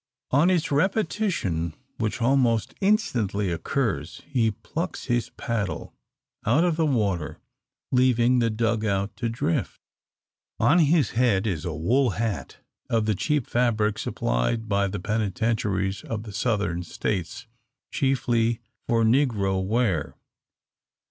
On its repetition, which almost instantly occurs, he plucks his paddle out of the water, leaving the dug out to drift. On his head is a wool hat of the cheap fabric supplied by the Penitentiaries of the Southern States, chiefly for negro wear.